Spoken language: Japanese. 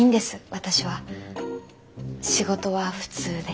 私は仕事は普通で。